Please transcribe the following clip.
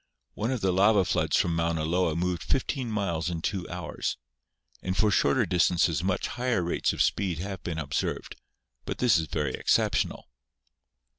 One of the lava floods from Mauna Loa moved fifteen miles in two hours, and for shorter dis tances much higher rates of speed have been observed; but this is very exceptional.